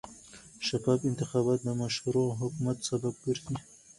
شفاف انتخابات د مشروع حکومت سبب ګرځي